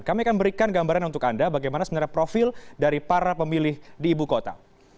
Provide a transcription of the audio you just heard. kami akan berikan gambaran untuk anda bagaimana sebenarnya profil dari para pemilih di ibu kota